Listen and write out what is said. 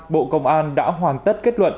bộ công an đã hoàn tất kết luận